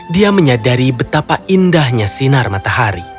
dia menyadari betapa indahnya sinar matahari